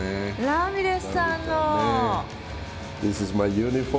ラミレスさんの！